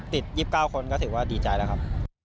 ติด๒๙คนก็ถือว่าดีใจแล้วครับ